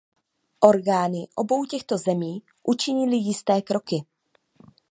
Orgány obou těchto zemí učinily jisté kroky.